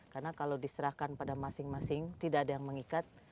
karena kalau diserahkan pada masing masing tidak ada yang mengikat